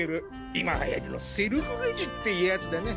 今はやりのセルフレジってやつだな。